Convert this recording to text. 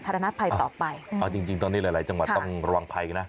รณภัยต่อไปเอาจริงจริงตอนนี้หลายหลายจังหวัดต้องระวังภัยกันนะ